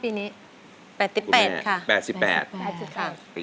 ถึง๘๘บาท